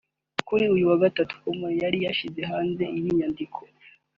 Ku wa Gatatu Comey yari yashyize hanze inyandiko